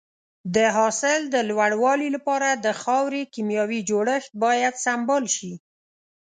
د حاصل د لوړوالي لپاره د خاورې کيمیاوي جوړښت باید سمبال شي.